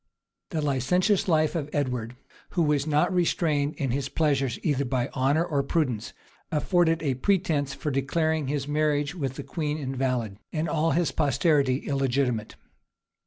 The licentious life of Edward, who was not restrained in his pleasures either by honor or prudence, afforded a pretence for declaring his marriage with the queen invalid, and all his posterity illegitimate.